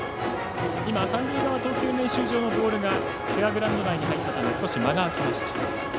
三塁側投球練習場のボールがフェアグラウンド内に入ったので少し間が空きました。